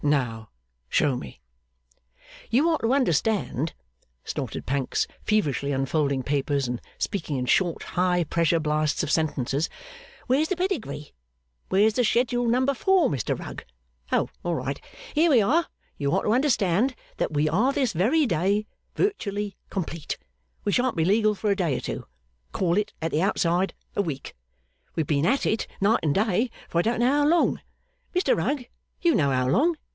'Now show me.' 'You are to understand' snorted Pancks, feverishly unfolding papers, and speaking in short high pressure blasts of sentences, 'Where's the Pedigree? Where's Schedule number four, Mr Rugg? Oh! all right! Here we are. You are to understand that we are this very day virtually complete. We shan't be legally for a day or two. Call it at the outside a week. We've been at it night and day for I don't know how long. Mr Rugg, you know how long?